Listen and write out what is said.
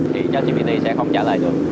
thì chất gpt sẽ không trả lời được